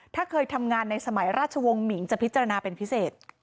ถ้าเคยทำงานในสมัยราชวงศ์หมิงจะพิจารณาเป็นพิเศษ